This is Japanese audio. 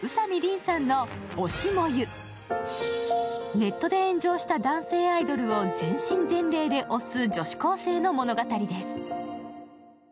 ネットで炎上した男性アイドルを全身全霊で推す女子高生の物語です。